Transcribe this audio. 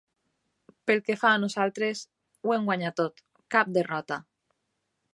Pel que fa a nosaltres, ho hem guanyat tot; cap derrota.